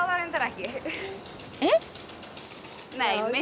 えっ！？